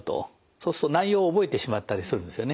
そうすると内容を覚えてしまったりするんですよね。